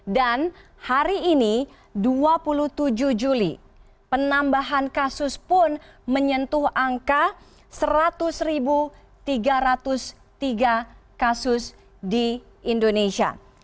dan hari ini dua puluh tujuh juli penambahan kasus pun menyentuh angka seratus tiga ratus tiga kasus di indonesia